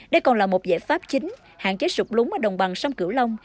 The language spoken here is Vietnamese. đây còn là một giải pháp chính hạn chế sụp lúng ở đồng bằng sông cửu long